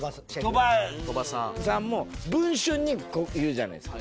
鳥羽さんも『文春』に言うじゃないですか。